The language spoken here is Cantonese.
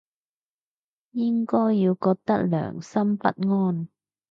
應該要覺得良心不安